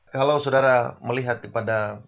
kalau saudara melihat pada